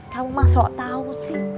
kamu mah sok tau sih